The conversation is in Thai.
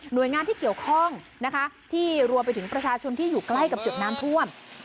โดยงานที่เกี่ยวข้องนะคะที่รวมไปถึงประชาชนที่อยู่ใกล้กับจุดน้ำท่วม